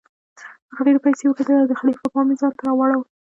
هغه ډیرې پیسې وګټلې او د خلیفه پام یې ځانته راواړوه.